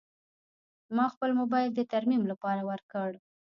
ما خپل موبایل د ترمیم لپاره ورکړ.